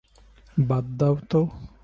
বাদ দাও তো।